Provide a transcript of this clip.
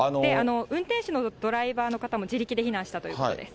運転手のドライバーの方も自力で避難したということです。